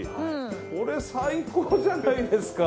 これ最高じゃないですか。